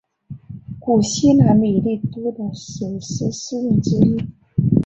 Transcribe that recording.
古希腊米利都的史诗诗人之一。